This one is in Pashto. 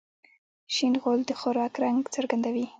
شین غول د خوراک رنګ څرګندوي.